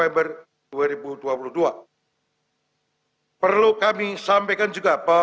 merupakan langkah yang sangat penting untuk penyelamatkan pembahasan ruu